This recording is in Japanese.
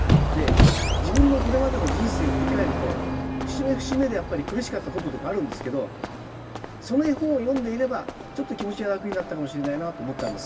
自分のこれまでの人生を振り返ると節目節目でやっぱり苦しかったこととかあるんですけどその絵本を読んでいればちょっと気持ちが楽になったかもしれないなと思ったんです。